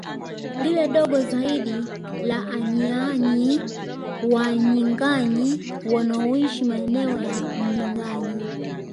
Lile dogo zaidi la AnyiÅanyi Wanyinganyi wanaoishi maeneo ya Mnyinganyi